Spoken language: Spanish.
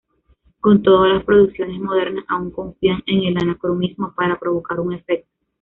Con todo, las producciones modernas aún confían en el anacronismo para provocar un efecto.